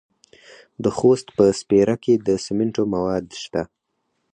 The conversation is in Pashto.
د خوست په سپیره کې د سمنټو مواد شته.